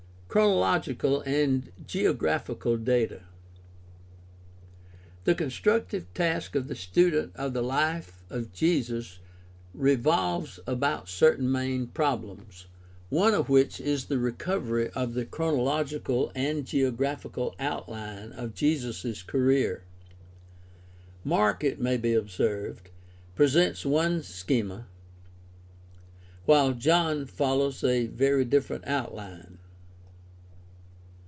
Chronological and geographical data. — The constructive task of the student of the hfe of Jesus revolves about certain main problems, one of which is the recovery of the chrono logical and geographical outHne of Jesus' career. Mark, it may be observed, presents one schema, while John follows a very different outline.